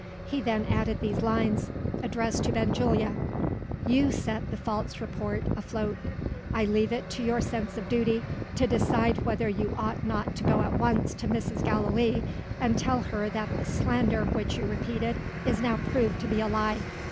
He then added these lines, addressed to Benjulia: "You set the false report afloat. I leave it to your sense of duty, to decide whether you ought not to go at once to Mrs. Gallilee, and tell her that the slander which you repeated is now proved to be a lie.